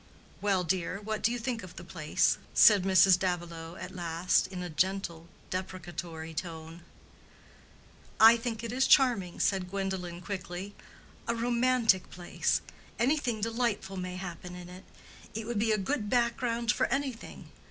"Well, dear, what do you think of the place," said Mrs. Davilow at last, in a gentle, deprecatory tone. "I think it is charming," said Gwendolen, quickly. "A romantic place; anything delightful may happen in it; it would be a good background for anything.